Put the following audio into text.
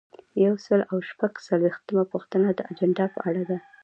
یو سل او شپږ څلویښتمه پوښتنه د اجنډا په اړه ده.